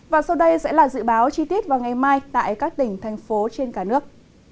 và sau đây sẽ là dự báo chi tiết vào ngày mai tại các tỉnh thành phố trên cả nước